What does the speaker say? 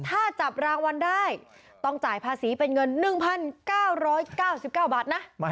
ถ้าจับรางวัลได้ต้องจ่ายภาษีเป็นเงิน๑๙๙๙บาทนะ